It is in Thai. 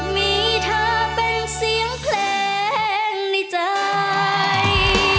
มีเธอเป็นเสียงเพลงในใจ